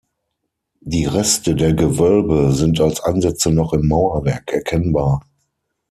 Die Reste der Gewölbe sind als Ansätze noch im Mauerwerk erkennbar.